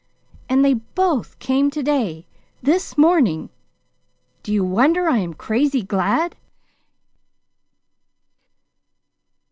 And they both came to day this morning. Do you wonder I am crazy glad?"